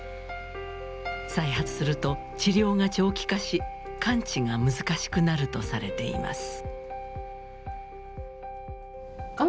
再発すると治療が長期化し完治が難しくなるとされています。